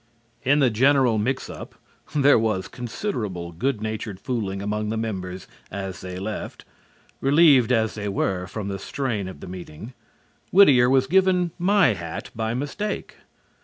In the general mix up (there was considerable good natured fooling among the members as they left, relieved as they were from the strain of the meeting) Whittier was given my hat by mistake.